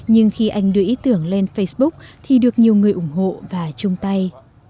nhưng khi anh đưa ý tưởng lên facebook thì được nhiều người ủng hộ và chung tay